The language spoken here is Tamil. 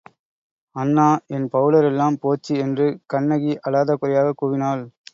அண்ணா, என் பவுடர் எல்லாம் போச்சு என்று கண்ணகி அழாத குறையாகக் கூவினாள்.